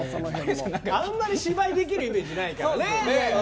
あんまり芝居できるイメージないからね。